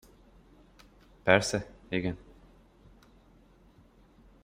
Persze, igen.